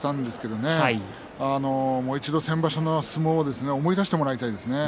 もう一度、先場所の相撲を思い出してほしいですね。